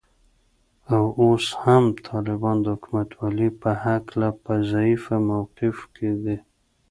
او اوس هم طالبان د حکومتولې په هکله په ضعیفه موقف کې دي